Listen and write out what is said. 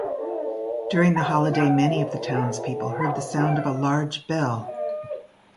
During the holiday many of the townspeople heard the sound of a large bell.